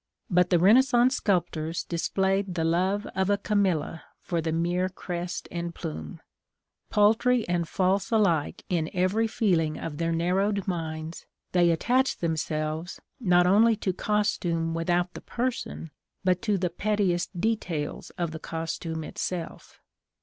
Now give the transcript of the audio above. But the Renaissance sculptors displayed the love of a Camilla for the mere crest and plume. Paltry and false alike in every feeling of their narrowed minds, they attached themselves, not only to costume without the person, but to the pettiest details of the costume itself.